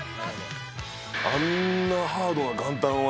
あんなハードな元旦は、